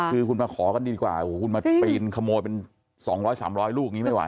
คือคุณมาขอกันดีกว่าโอ้โหคุณมาปีนขโมยเป็น๒๐๐๓๐๐ลูกนี้ไม่ไ